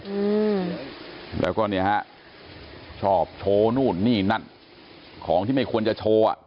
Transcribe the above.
อืมแล้วก็เนี่ยฮะชอบโชว์นู่นนี่นั่นของที่ไม่ควรจะโชว์อ่ะ